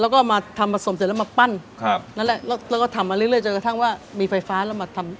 แล้วก็มาทำผสมเสร็จแล้วมาปั้นครับนั่นแหละแล้วก็ทำมาเรื่อยจนกระทั่งว่ามีไฟฟ้าแล้วมาทำ